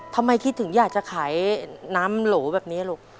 ทำไมคิดถึงอยากจะขายน้ำโหลแบบนี้ลูก